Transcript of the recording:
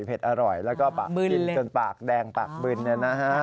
เผ็ดอร่อยแล้วก็ปากกินจนปากแดงปากบึน